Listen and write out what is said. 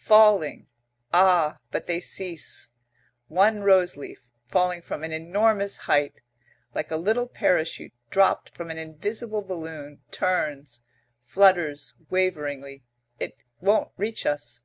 Falling. Ah, but they cease. One rose leaf, falling from an enormous height, like a little parachute dropped from an invisible balloon, turns, flutters waveringly. It won't reach us.